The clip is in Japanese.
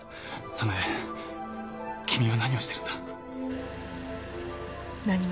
早苗君は何をしてるんだ？